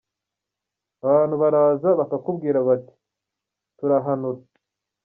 Abantu baraza Bakakubwira bati turahanura.